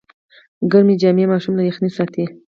ګرمې جامې ماشوم له یخنۍ ساتي۔